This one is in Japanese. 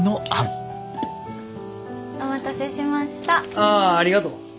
ああありがとう。